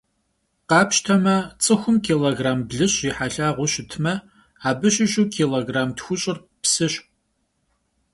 Khapşteme, ts'ıxum kilogramm blış' yi helhağıu şıtme, abı şışu kilogramm txuş'ır psış.